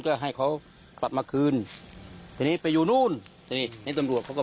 เพื่อให้เขากลับมาคืนทีนี้ไปอยู่นู่นทีนี้นี่ตำรวจเขาก็